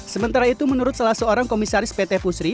sementara itu menurut salah seorang komisaris pt pusri